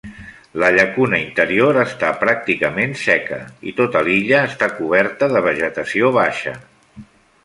La llacuna interior està pràcticament seca, i tota l'illa està coberta de vegetació baixa.